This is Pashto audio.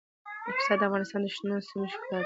پسه د افغانستان د شنو سیمو یوه ښکلا ده.